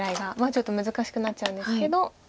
ちょっと難しくなっちゃうんですけど。